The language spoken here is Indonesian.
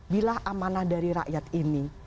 bila amanah dari rakyat ini